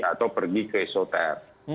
atau pergi ke soter